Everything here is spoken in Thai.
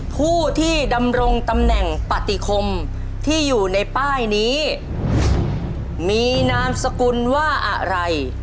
ผู้ที่ดำรงตำแหน่งปฏิคมที่อยู่ในป้ายนี้มีนามสกุลว่าอะไร